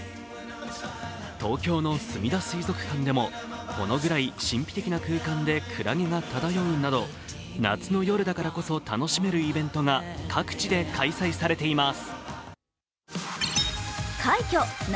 東京のすみだ水族館でもほの暗い神秘的な空間でくらげが漂うなど、夏の夜だからこそ楽しめるイベントが各地で開催されています。